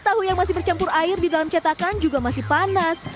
tahu yang masih bercampur air di dalam cetakan juga masih panas